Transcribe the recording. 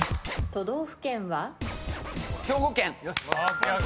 都道府県は？